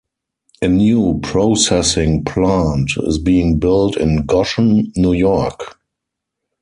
A new processing plant is being built in Goshen, New York.